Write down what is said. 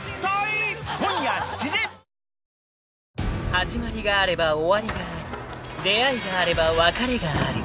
［始まりがあれば終わりがあり出会いがあれば別れがある］